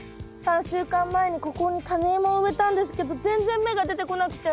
３週間前にここにタネイモを植えたんですけど全然芽が出てこなくて。